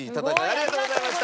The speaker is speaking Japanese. ありがとうございます。